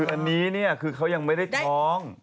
อันนี้นี่ยังไม่ได้ท้อง